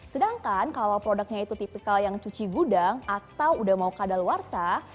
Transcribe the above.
sedangkan kalau produknya itu tipikal yang cuci gudang atau udah mau kadal warsa